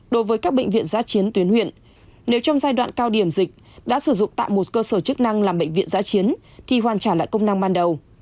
đối với các bệnh viện giá chiến tuyến huyện nếu trong giai đoạn cao điểm dịch đã sử dụng tại một cơ sở chức năng làm bệnh viện giã chiến thì hoàn trả lại công năng ban đầu